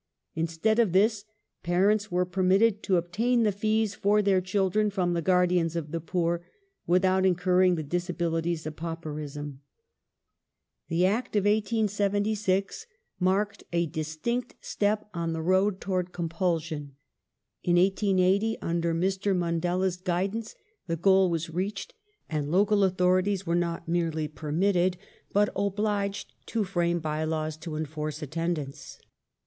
Instead of this, parents were permitted to obtain the fees for their children from the Guardians of the Poor, without incurring the disabilities of pauperism. The Act of 1876 marked a distinct step on the road towards compulsion. In 1880, under Mr. Mundella's guidance, Compul the goal was reached and local authorities were not merely per ^'dopted mitted, but obliged to frame bye laws to enforce attendance.